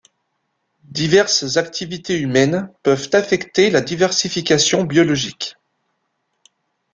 Diverses activités humaines peuvent affecter la diversification biologique.